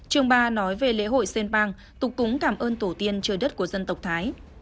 chương ba nói về lễ hội sên bang tục cúng cảm ơn tổ tiên trời đất của dân tộc thái